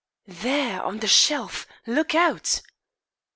"There on the shelf! Look out!"